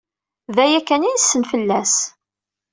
D aya kan i nessen fell-as.